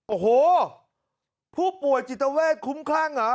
โอ้โหผู้ป่วยจิตเวทคุ้มคลั่งเหรอ